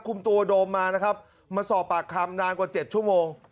คุมตัวโดมมานะครับมาสอบปากคำนานกว่า๗ชั่วโมง